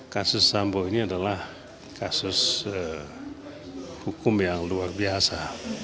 kasus sambo ini adalah kasus hukum yang luar biasa